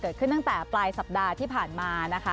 เกิดขึ้นตั้งแต่ปลายสัปดาห์ที่ผ่านมานะคะ